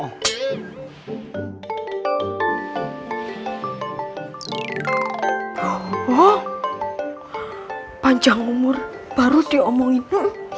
oh panjang umur baru diomongin